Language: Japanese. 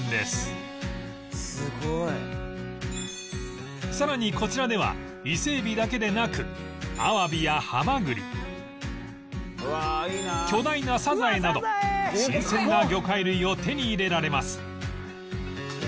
「すごい」さらにこちらでは伊勢海老だけでなくアワビやハマグリ巨大なサザエなど新鮮な魚介類を手に入れられます